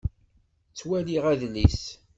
Ttwaliɣ adlis.